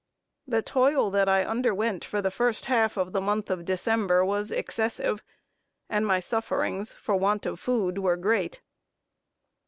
The toil that I underwent for the first half of the month of December was excessive, and my sufferings for want of food were great.